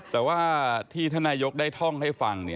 แต่ว่าที่ท่านนายกได้ท่องให้ฟัง